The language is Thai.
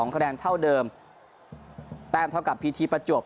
คะแนนเท่าเดิมแต้มเท่ากับพีทีประจวบ